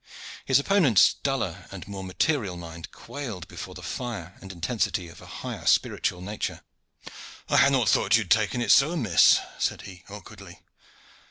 His opponent's duller and more material mind quailed before the fire and intensity of a higher spiritual nature. "I had not thought that you had taken it so amiss," said he awkwardly.